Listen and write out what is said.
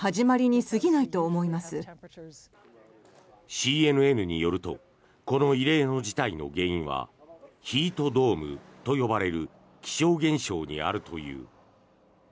ＣＮＮによるとこの異例の事態の原因はヒートドームと呼ばれる気象現象にあるという。